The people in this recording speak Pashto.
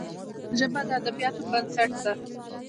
ژبه د ادبياتو بنسټ ده